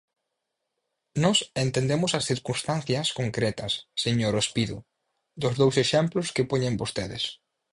Nós entendemos as circunstancias concretas, señor Ospido, dos dous exemplos que poñen vostedes.